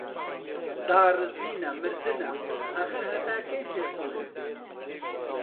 داڕزینە، مردنە، ئاخر هەتا کەی پێت بڵێن